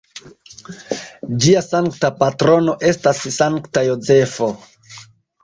Ĝia sankta patrono estas Sankta Jozefo.